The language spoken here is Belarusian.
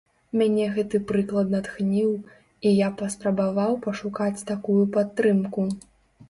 Мяне гэты прыклад натхніў, і я паспрабаваў пашукаць такую падтрымку.